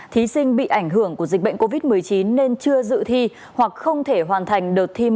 thí sinh bị ảnh hưởng của dịch bệnh covid một mươi chín nên chưa dự thi hoặc không thể hoàn thành đợt thi